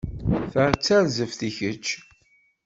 Ta d tarzeft i kečč.